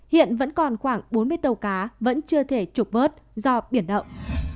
hiện vẫn còn khoảng bốn mươi tàu cá vẫn chưa thể trục vớt do biển động